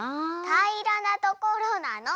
たいらなところなの！